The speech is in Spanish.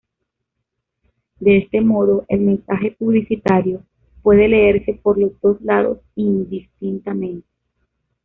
De este modo, el mensaje publicitario puede leerse por los dos lados indistintamente.